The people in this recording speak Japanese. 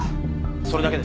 それだけです。